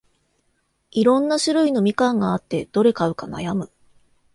いろんな種類のみかんがあって、どれ買うか悩む